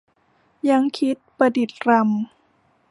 ยั้งคิดประดิษฐ์รำ